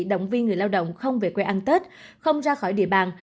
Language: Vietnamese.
động viên người lao động không về quê ăn tết không ra khỏi địa bàn